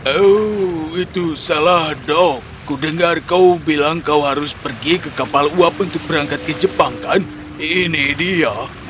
oh itu salah dok ku dengar kau bilang kau harus pergi ke kapal uap untuk berangkat ke jepang kan ini dia